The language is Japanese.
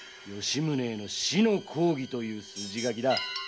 吉宗への死の抗議という筋書きだ。